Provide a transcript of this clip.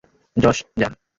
Josh, যান!